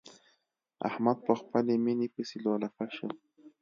احمد په خپلې ميينې پسې لولپه شو.